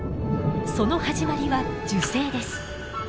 その始まりは受精です。